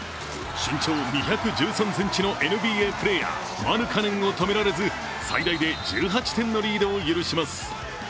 身長２１３ｃｍのＮＢＡプレーヤー・マルカネンを止められず、最大で１８点のリードを許します。